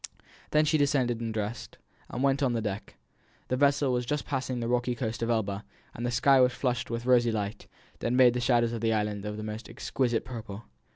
Then she descended and dressed, and went on deck; the vessel was just passing the rocky coast of Elba, and the sky was flushed with rosy light, that made the shadows on the island of the most exquisite purple.